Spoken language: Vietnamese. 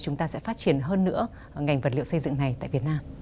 chúng ta sẽ phát triển hơn nữa ngành vật liệu xây dựng này tại việt nam